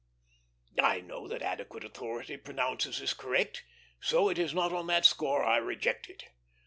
I know that adequate authority pronounces this correct, so it is not on that score I reject it.